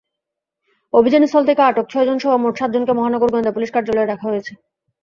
অভিযানস্থল থেকে আটক ছয়জনসহ মোট সাতজনকে মহানগর গোয়েন্দা পুলিশের কার্যালয়ে রাখা হয়েছে।